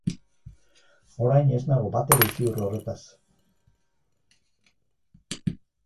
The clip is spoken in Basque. Orain ez nago batere ziur horretaz.